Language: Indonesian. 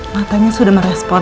matanya sudah merespon